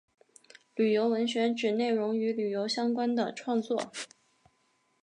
旅游文学指内容与旅游相关的创作。